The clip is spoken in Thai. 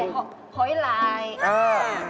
ยายกินลำยาย